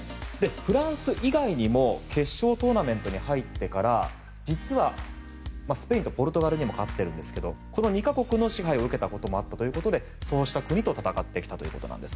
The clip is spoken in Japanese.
フランス以外にも決勝トーナメントに入ってから実は、スペインとポルトガルにも勝っているんですけどこの２か国の支配を受けたこともあったということでそうした国と戦ってきたわけなんです。